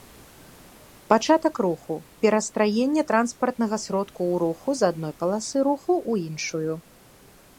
пачатак руху, перастраенне транспартнага сродку ў руху з адной паласы руху ў іншую